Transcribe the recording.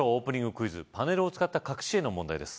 クイズパネルを使った隠し絵の問題です